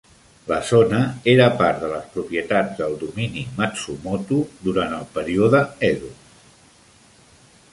La zona era part de les propietats del domini Matsumoto durant el període Edo.